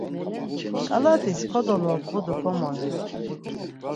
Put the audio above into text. Ǩalatis kodolobğu do komoiğu.